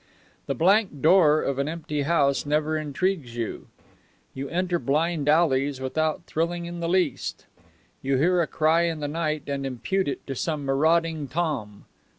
The blank door of an empty house never intrigues you; you enter blind alleys without thrilling in the least; you hear a cry in the night and impute it to some marauding tom.